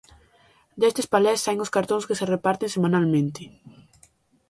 Destes palés saen os cartóns que se reparten semanalmente.